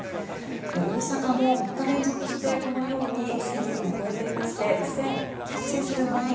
大阪も３日連続して１０００人を超えていまして１０８５人。